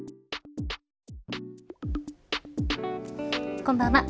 こんばんは。